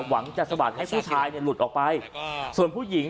หวังจะสะบัดให้ผู้ชายเนี่ยหลุดออกไปส่วนผู้หญิง